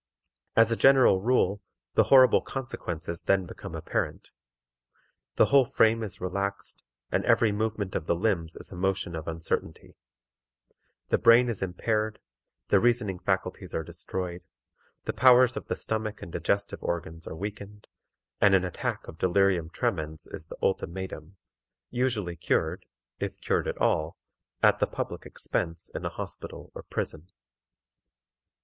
As a general rule, the horrible consequences then become apparent. The whole frame is relaxed, and every movement of the limbs is a motion of uncertainty; the brain is impaired; the reasoning faculties are destroyed; the powers of the stomach and digestive organs are weakened, and an attack of delirium tremens is the ultimatum, usually cured, if cured at all, at the public expense in a hospital or prison.